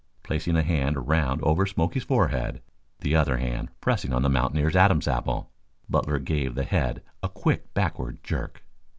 Placing a hand around over Smoky's forehead, the other hand pressing on the mountaineer's Adam's apple, Butler gave the head a quick backward jerk.